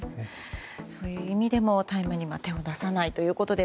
そういう意味でも、大麻には手を出さないということで